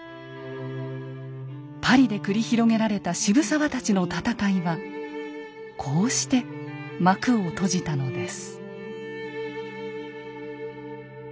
パリで繰り広げられた渋沢たちの闘いはこうして幕を閉じたのです。